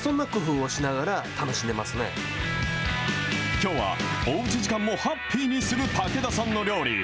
きょうはおうち時間もハッピーにするたけださんの料理。